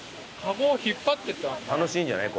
楽しいんじゃない？